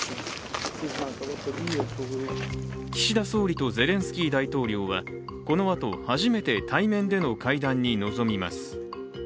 岸田総理とゼレンスキー大統領はこのあと初めて対面での会談に臨みます。